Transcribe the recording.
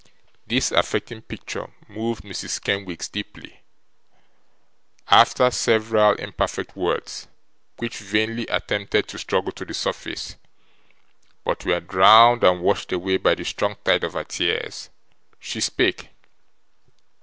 This affecting picture moved Mrs. Kenwigs deeply. After several imperfect words, which vainly attempted to struggle to the surface, but were drowned and washed away by the strong tide of her tears, she spake.